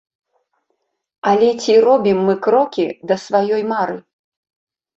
Але ці робім мы крокі да сваёй мары?